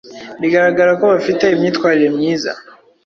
bigaragara ko bafite imyitwarire myiza.